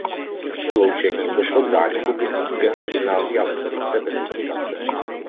Sloučením došlo k zániku Biskupského gymnázia Letovice bez likvidace.